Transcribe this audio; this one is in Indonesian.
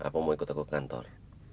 apa mau ikut aku ke kantor